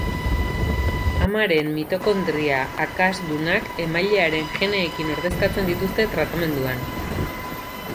Amaren mitokondria akastunak emailearen geneekin ordezkatzen dituzte tratamenduan.